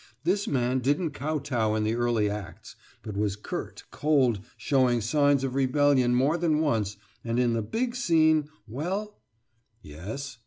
This man didn't kowtow in the early acts, but was curt, cold, showing signs of rebellion more than once, and in the big scene, well !" "Yes?"